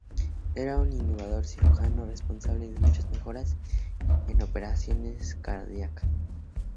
Era un innovador cirujano responsable de muchas mejoras en operaciones cardiacas.